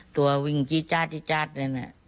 ตัววิ่งจี้จ๊าดจี้จ๊าดนั่นนะ